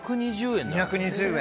２２０円。